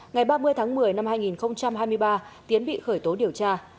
ngày ba mươi tháng một mươi năm hai nghìn hai mươi ba tiến bị khởi tố điều tra